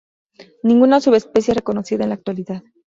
Ninguna subespecie es reconocida en la actualidad.